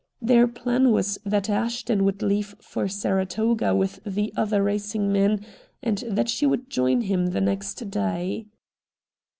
Their plan was that Ashton would leave for Saratoga with the other racing men, and that she would join him the next day.